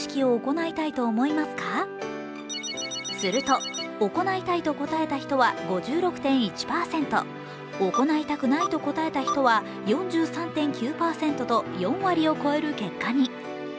すると、行いたいと答えた人は５６．１％、行いたくないと答えた人は４３．９％と４割を超える結果に。